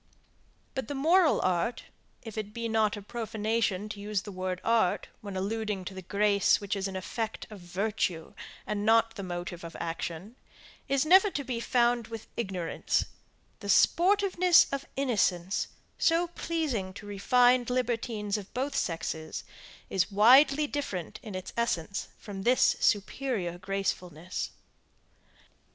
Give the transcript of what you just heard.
But the moral art, if it be not a profanation to use the word art, when alluding to the grace which is an effect of virtue, and not the motive of action, is never to be found with ignorance; the sportiveness of innocence, so pleasing to refined libertines of both sexes, is widely different in its essence from this superior gracefulness.